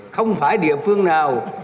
không phải địa phương nào